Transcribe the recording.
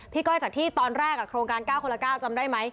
ก้อยจากที่ตอนแรกโครงการ๙คนละ๙จำได้ไหม